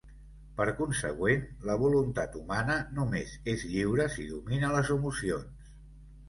Per consegüent, la voluntat humana només és lliure si domina les emocions.